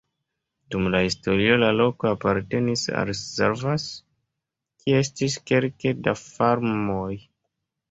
Dum la historio la loko apartenis al Szarvas, kie estis kelke da farmoj.